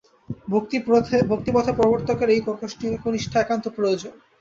ভক্তিপথে প্রবর্তকের এই একনিষ্ঠা একান্ত প্রয়োজন।